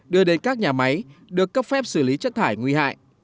đưa đến các nhà máy được cấp phép xử lý chất thải nguy hại